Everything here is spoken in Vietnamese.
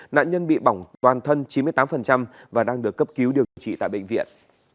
nạn nhân bị bỏng toàn thân chín mươi tám và đang được cấp cứu điều trị tại bệnh viện